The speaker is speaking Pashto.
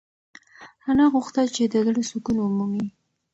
انا غوښتل چې د زړه سکون ومومي.